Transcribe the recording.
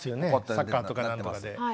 サッカーとか何とかで。